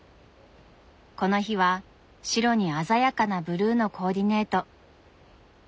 この日は白に鮮やかなブルーのコーディネート。